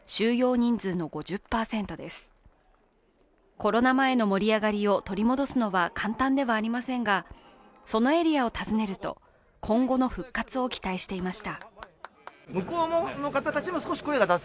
コロナ前の盛り上がりを取り戻すのは簡単ではありませんがそのエリアを訪ねると今後の復活を期待していました。